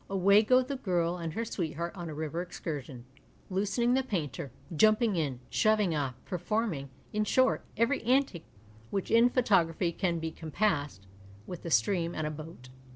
Away go the girl and her sweetheart on a river excursion, loosening the painter, jumping in, shoving off, performing, in short, every antic which in photography can be compassed with a stream and a boat.